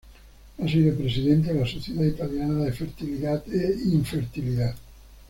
Ha sido presidente de la Sociedad italiana de fertilidad e infertilidad.